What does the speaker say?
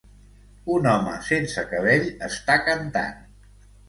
Un home sense cabell està cantant.